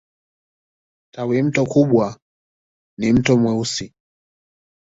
Tawimto kubwa ni Mto Mweusi.